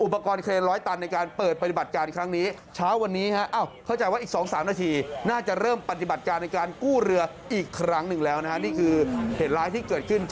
โปรดติดตามตอนต่อไป